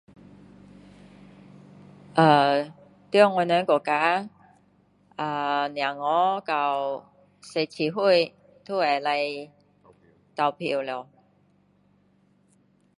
呃在我们国家呃小孩到17岁都可以投票了